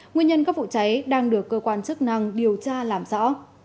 nguyên nhân các vụ cháy đang được cơ quan chức năng điều tra làm rõ